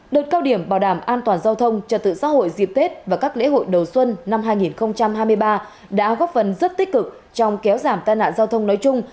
đợt cao điểm bảo đảm an toàn giao thông trật tự xã hội dịp tết và các lễ hội đầu xuân năm hai nghìn hai mươi ba đã góp phần rất tích cực trong kéo giảm tai nạn giao thông nói chung